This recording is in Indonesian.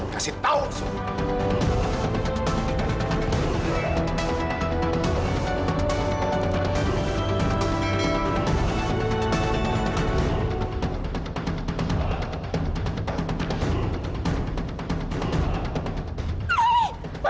kasih tahu seumpamannya